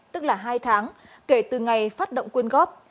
tức là hai tháng kể từ ngày phát động quyên góp